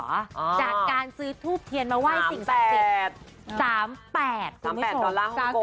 จากการซื้อทูปเทียนมาไหว้สิทธิ์สักติด